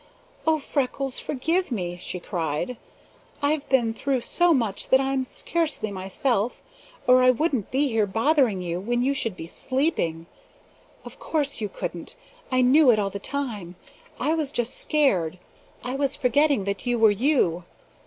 "Oh, Freckles, forgive me!" she cried. "I've been through so much that I'm scarcely myself, or I wouldn't be here bothering you when you should be sleeping. Of course you couldn't! I knew it all the time! I was just scared! I was forgetting that you were you!